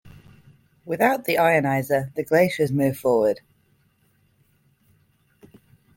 Without the ioniser, the glaciers move forward.